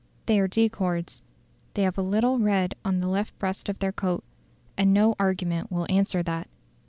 They are decords; they have a little red on the left breast of their coat, and no argument will answer that.